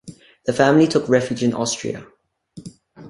The family took refuge in Austria.